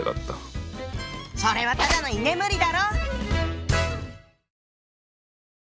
それはただの居眠りだろ！